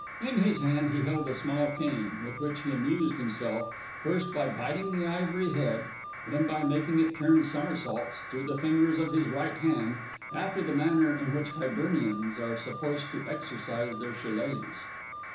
In his hand he held a small cane, with which he amused himself, first, by biting the ivory head, then by making it turn summer saults through the fingers of his right hand, after the manner in which Hibernians are supposed to exercise their shillelahs.